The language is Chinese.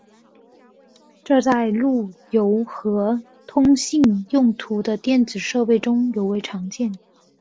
这在路由和通信用途的电子设备中尤为常见。